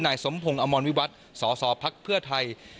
นายสมพงศ์อมรวิวัตรสสพักเพื่อไทย